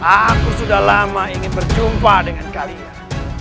aku sudah lama ingin berjumpa dengan kalian